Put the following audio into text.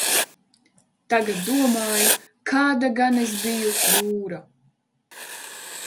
"Tagad domāju, kāda gan es biju "dūra"."